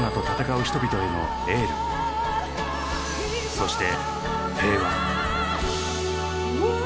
そして平和。